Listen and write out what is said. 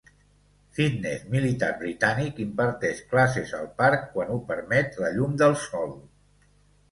Fitness militar britànic imparteix classes al parc quan ho permet la llum del sol.